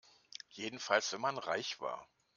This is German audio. Jedenfalls wenn man reich war.